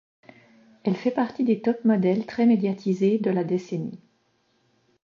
Elle fait partie des top-modèles très médiatisées de la décennie.